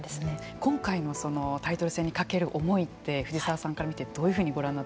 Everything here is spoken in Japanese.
今回のタイトル戦にかける思いって藤沢さんから見てどういうふうにご覧になっていますか。